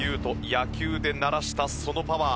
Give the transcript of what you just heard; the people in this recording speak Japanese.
野球でならしたそのパワー